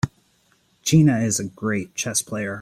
Gina is a great chess player.